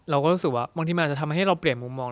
เราก็รู้สึกว่าบางทีมันอาจจะทำให้เราเปลี่ยนมุมมอง